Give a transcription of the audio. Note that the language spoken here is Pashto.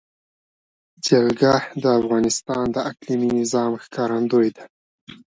جلګه د افغانستان د اقلیمي نظام ښکارندوی ده.